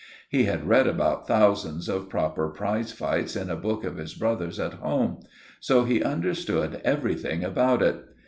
He had read about thousands of proper prize fights in a book of his brother's at home; so he understood everything about it.